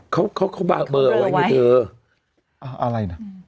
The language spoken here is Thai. เขาเค้าอะไรน่ะ